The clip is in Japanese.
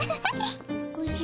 おじゃ。